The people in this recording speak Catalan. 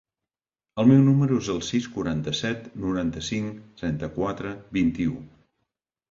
El meu número es el sis, quaranta-set, noranta-cinc, trenta-quatre, vint-i-u.